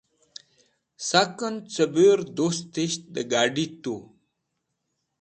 sak'en cubur dustisht da gadi tu